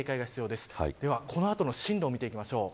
では、この後の進路を見ていきましょう。